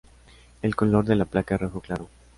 El color de la placa es rojo claro.